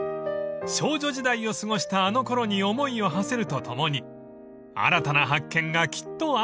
［少女時代を過ごしたあのころに思いをはせるとともに新たな発見がきっとあるはず］